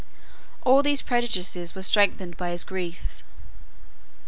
All these prejudices were strengthened by his grief.